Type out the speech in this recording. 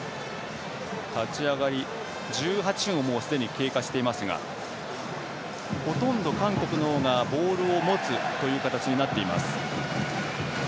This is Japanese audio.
立ち上がり１８分をすでに経過していますがほとんど韓国のほうがボールを持つという形になっています。